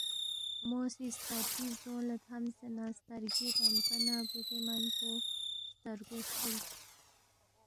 مو سی سترگی زدونگ لہ تھمسے نہ سترگی رمپِنگ نہ بُودے من پو سترگو سکُولس